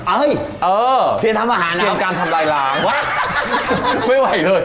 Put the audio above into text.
เอ้ยเออเซียนทำอาหารเสียงการทำลายล้างวะไม่ไหวเลย